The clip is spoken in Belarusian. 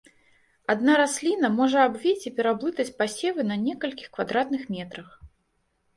Адна расліна можа абвіць і пераблытаць пасевы на некалькіх квадратных метрах.